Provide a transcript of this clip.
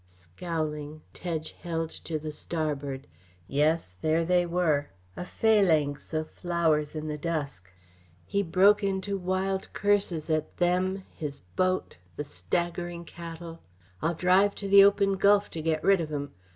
Scowling, Tedge held to the starboard. Yes, there they were a phalanx of flowers in the dusk. He broke into wild curses at them, his boat, the staggering cattle. "I'll drive to the open gulf to get rid of 'em!